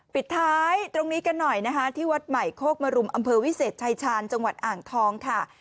ปิดท้ายตรงนี้กันหน่อยนะคะที่วัดใหม่โคกมรุมอำเภอวิเศษชายชาญจังหวัดอ่างทองค่ะ